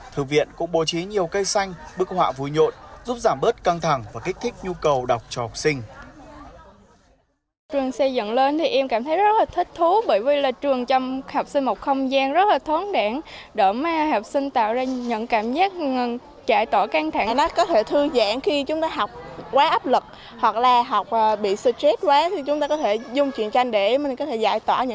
thư viện cũng bố trí nhiều cây xanh bức họa vui nhộn giúp giảm bớt căng thẳng và kích thích nhu cầu đọc cho học sinh